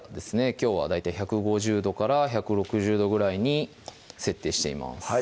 きょうは大体１５０℃１６０℃ぐらいに設定しています